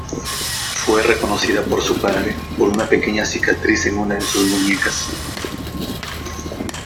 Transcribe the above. Fue reconocida por su padre por una pequeña cicatriz en una de sus muñecas.